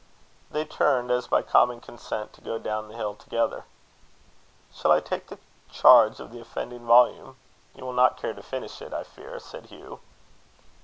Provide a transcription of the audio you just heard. They turned, as by common consent, to go down the hill together. "Shall I take charge of the offending volume? You will not care to finish it, I fear," said Hugh.